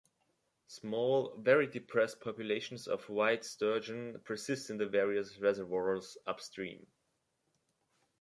Small, very depressed populations of white sturgeon persist in the various reservoirs upstream.